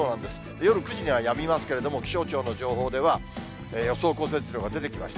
夜９時にはやみますけれども、気象庁の情報では、予想降雪量が出てきました。